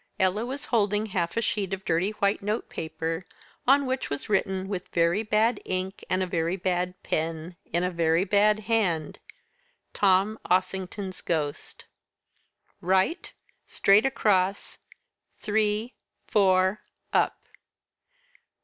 Ella was holding half a sheet of dirty white notepaper, on which was written, with very bad ink and a very bad pen, in a very bad hand: "TOM OSSINGTON'S GHOST." "Right Straight across three four up.